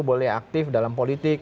boleh aktif dalam politik